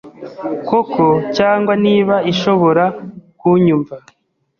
koko cyangwa niba ishobora kunyumva